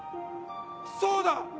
そうだ！